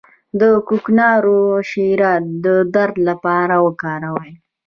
د کوکنارو شیره د درد لپاره وکاروئ